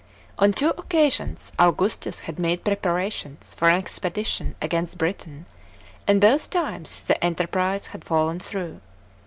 On two occasions Augustus had made preparations for an expedition against Briiain, and both times the enterprise had fallen through.